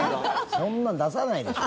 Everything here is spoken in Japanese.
そんなの出さないでしょ。